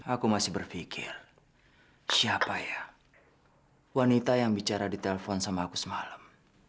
aku masih berpikir siapa ya wanita yang bicara ditelepon sama aku semalam